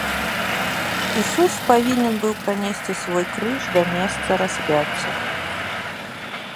Ісус павінен быў пранесці свой крыж да месца распяцця.